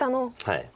はい。